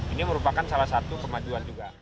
ini merupakan salah satu kemajuan juga